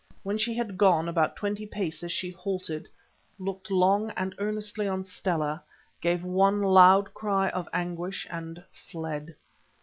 When she had gone about twenty paces she halted, looked long and earnestly on Stella, gave one loud cry of anguish, and fled.